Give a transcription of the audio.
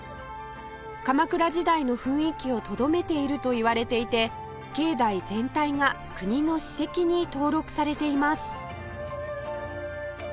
鎌倉時代の雰囲気をとどめているといわれていて境内全体が国の史跡に登録されています